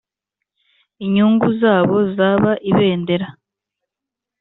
inyungu zabo zaba ibendera;